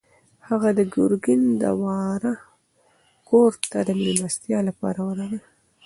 هغه د ګرګین د وراره کور ته د مېلمستیا لپاره ورغی.